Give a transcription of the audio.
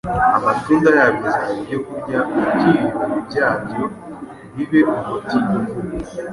amatunda yabyo azaba ibyokurya, nabyo ibibabi byabyo bibe umuti uvura. »